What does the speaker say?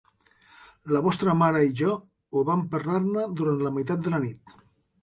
La vostra mare i jo ho vam parlar-ne durant la meitat de la nit.